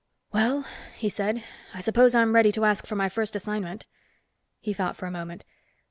"Well," he said. "I suppose I'm ready to ask for my first assignment." He thought for a moment.